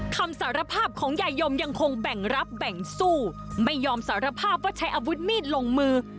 คำสารภาพของยายมยังคงแบ่งรับแบ่งสู้ไม่ยอมสารภาพว่าใช้อาวุธมีดลงมือ